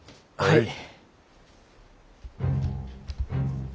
はい。